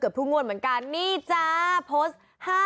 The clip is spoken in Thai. เกือบทุกมวลเหมือนกันนี่จ้าโพสต์๕๕๕